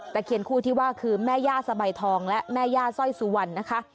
เคียนคู่ที่ว่าคือแม่ย่าสบายทองและแม่ย่าสร้อยสุวรรณนะคะ